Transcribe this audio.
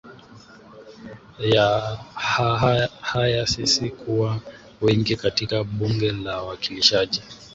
ha ya sisi kuwa wengi katika mbuge la wakilishaji